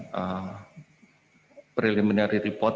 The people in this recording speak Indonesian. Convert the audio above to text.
dan saya akan menunjukkan ke anda